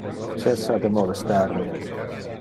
Cessa de molestar me.